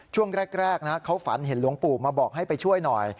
ช่วงแรกนะเขาฝันเห็นหลวงปู่มาบอกให้ไปช่วยหน่อย